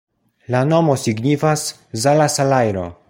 La nomo signifas: Zala-salajro.